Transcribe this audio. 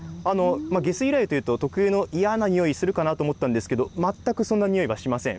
下水由来というと、特有の嫌なにおいするかなと思ったけど、全くそんなにおいはしません。